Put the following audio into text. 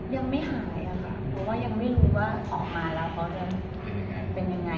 ยังไม่หายอะครับเพราะว่ายังไม่รู้ว่าออกมาแล้วเพราะว่าเป็นยังไง